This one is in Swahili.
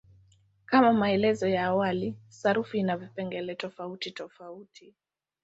Kama maelezo ya awali, sarufi ina vipengele tofautitofauti.